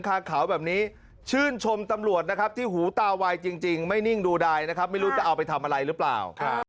คาขาวแบบนี้ชื่นชมตำรวจนะครับที่หูตาวายจริงไม่นิ่งดูดายนะครับไม่รู้จะเอาไปทำอะไรหรือเปล่า